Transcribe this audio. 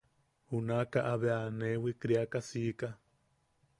Junakaʼa bea ne wikiriaka siika.